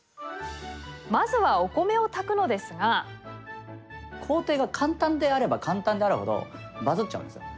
まずは工程が簡単であれば簡単であるほどバズっちゃうんですよ。